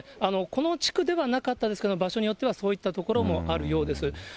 この地区ではなかったんですけれども、場所によっては、そういった所もあるようです。